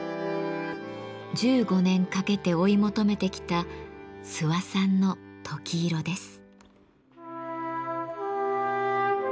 １５年かけて追い求めてきた諏訪さんのとき色です。